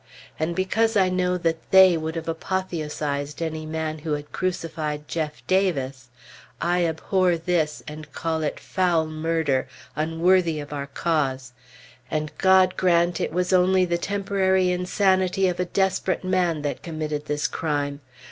And because I know that they would have apotheosized any man who had crucified Jeff Davis, I abhor this, and call it foul murder, unworthy of our cause and God grant it was only the temporary insanity of a desperate man that committed this crime!